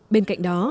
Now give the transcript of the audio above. bên cạnh đó